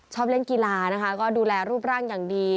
ชอบเล่นกีฬานะคะก็ดูแลรูปร่างอย่างดี